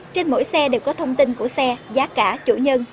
trên mỗi xe đều có thông tin của xe giá cả chủ nhân